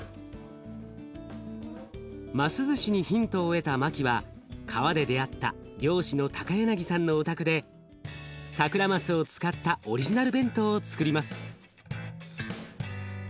ますずしにヒントを得たマキは川で出会った漁師の高柳さんのお宅でサクラマスを使ったオリジナル弁当をつくります。